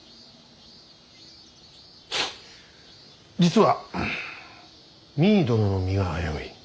実は実衣殿の身が危うい。